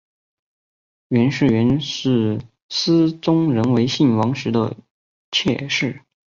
袁氏原是思宗仍为信王时的妾室。